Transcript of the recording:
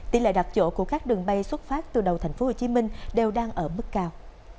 tỉ lệ đặc dỗ của các đường bay xuất phát từ đầu thành phố hồ chí minh đều đang ở mức cao